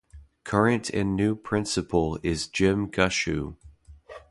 Current and new principal is Jim Gushue.